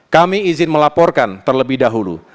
kami izin melaporkan terlebih dahulu